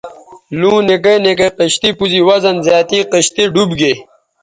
لُوں نکے نکے کشتئ پوز ی وزن زیاتیں کشتئ ڈوب گے